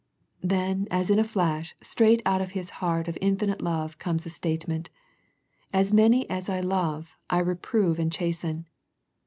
Then as in a flash, straight out of His heart of infinite love, comes a statement " As many as I love, I reprove and chasten."